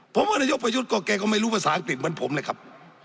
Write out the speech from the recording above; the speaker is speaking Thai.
ผมว่านายุคประยุทธกรรมเนี่ยก็ไม่รู้ภาษาอังกฤษเหมือนผมนะครับ